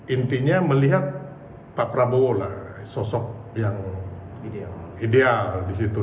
intinya melihat pak prabowo lah sosok yang ideal di situ